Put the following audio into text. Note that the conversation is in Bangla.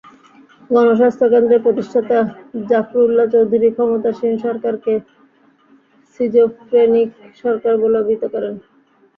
গণস্বাস্থ্য কেন্দ্রের প্রতিষ্ঠাতা জাফরুল্লাহ চৌধুরী ক্ষমতাসীন সরকারকে সিজোফ্রেনিক সরকার বলে অভিহিত করেন।